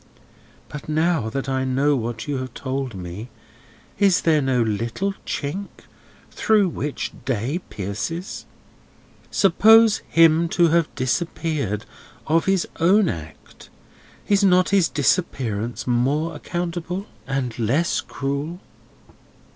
But now that I know what you have told me, is there no little chink through which day pierces? Supposing him to have disappeared of his own act, is not his disappearance more accountable and less cruel?